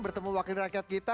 bertemu wakil rakyat kita